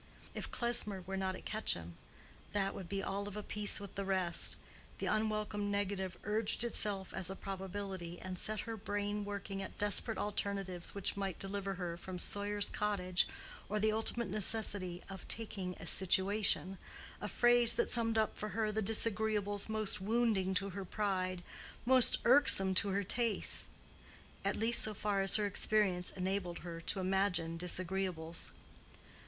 If Klesmer were not at Quetcham—that would be all of a piece with the rest: the unwelcome negative urged itself as a probability, and set her brain working at desperate alternatives which might deliver her from Sawyer's Cottage or the ultimate necessity of "taking a situation," a phrase that summed up for her the disagreeables most wounding to her pride, most irksome to her tastes; at least so far as her experience enabled her to imagine disagreeables.